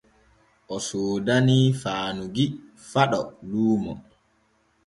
O soodanii Faanugui Faɗo luumo.